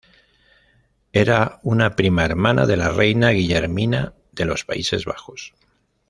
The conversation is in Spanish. Era una prima hermana de la reina Guillermina de los Países Bajos.